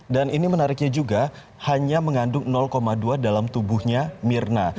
dan ini menariknya juga hanya mengandung dua dalam tubuhnya mirna